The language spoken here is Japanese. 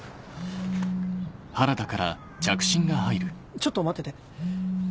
ちょっと待ってて。